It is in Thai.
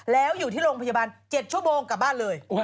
แล้วอยู่ที่โรงพยาบาล๗ชั่วโมงกลับบ้านเลย